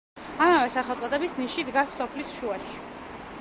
ამავე სახელწოდების ნიში დგას სოფლის შუაში.